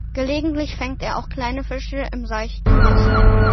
Gelegentlich fängt er auch kleine Fische im seichten Wasser.